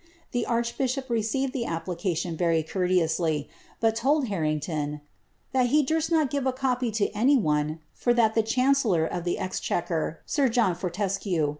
The archbishop received the application reiy courteously, but told Harrington " that he dur^t nol give a copy to aov one, for ihai the chancellor of the exchequer, sir John Fortescue.